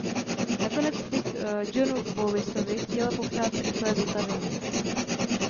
Nakonec bych Johnu Bowisovi chtěla popřát rychlé zotavení.